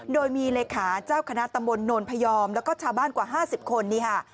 โดยมีเลขาเจ้าคณะตำบลโนนพยอมแล้วก็ชาวบ้านกว่า๕๐คนนี่ค่ะ